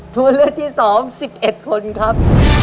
ตัวเลือดที่สองสิบเอ็ดคนครับ